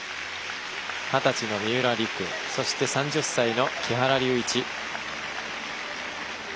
二十歳の三浦璃来そして３０歳の木原龍一。